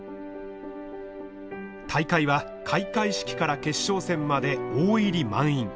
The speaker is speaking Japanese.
大会は開会式から決勝戦まで大入り満員。